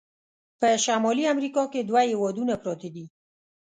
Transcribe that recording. په شمالي امریکا کې دوه هیوادونه پراته دي.